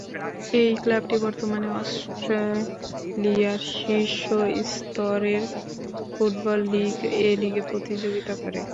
এই ক্লাবটি বর্তমানে অস্ট্রেলিয়ার শীর্ষ স্তরের ফুটবল লীগ এ-লীগে প্রতিযোগিতা করে।